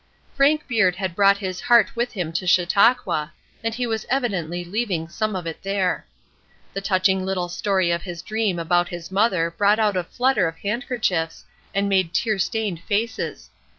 Frank Beard had brought his heart with him to Chautauqua, and he was evidently leaving some of it there. The touching little story of his dream about his mother brought out a flutter of handkerchiefs, and made tear stained faces.